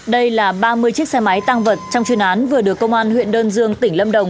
đây là ba mươi chiếc xe máy tăng vật trong chuyên án vừa được công an huyện đơn dương tỉnh lâm đồng